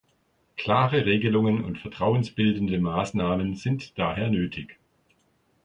Klare Regelungen und vertrauensbildende Maßnahmen sind daher nötig.